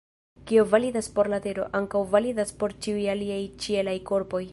Kio validas por la Tero, ankaŭ validas por ĉiuj aliaj ĉielaj korpoj.